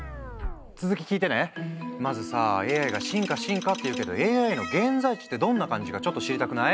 まずさＡＩが進化進化っていうけどＡＩの現在地ってどんな感じかちょっと知りたくない？